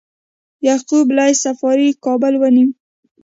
یعقوب لیث صفاري کابل ونیو